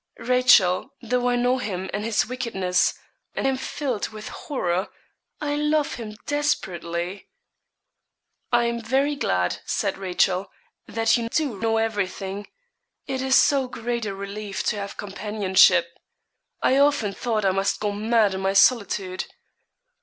Rachel, though I know him and his wickedness, and am filled with horror I love him desperately.' 'I am very glad,' said Rachel, 'that you do know everything. It is so great a relief to have companionship. I often thought I must go mad in my solitude.'